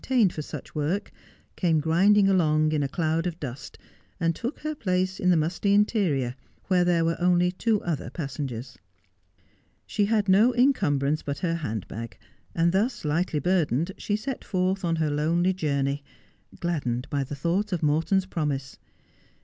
267 tained for such work, came grinding along in a cloud of dust, and took her place in the musty interior, where there were only two other passengers. She had no incumbrance but her hand bag ; and thus lightly burdened she set forth on her lonely journey, gladdened by the thought of Morton's promise.